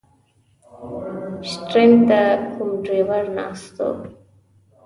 شټرنګ ته کوم ډریور ناست و.